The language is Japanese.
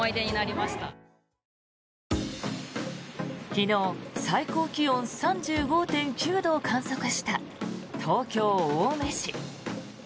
昨日、最高気温３５．９度を観測した東京・青梅市。